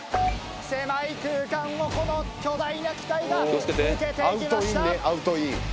狭い空間をこの巨大な機体が抜けて行きました。